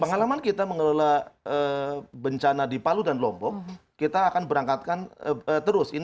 pengalaman kita mengelola bencana di palu dan lombok kita akan berangkatkan terus